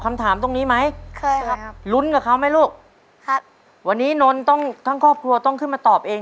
คำถามตั้งหมดทั้ง๕เรื่อง